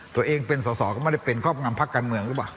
ตัวเองเป็นสอสอก็ไม่ได้เป็นครอบงำพักการเมืองหรือเปล่า